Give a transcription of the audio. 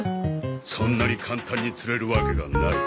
そんなに簡単に釣れるわけがない。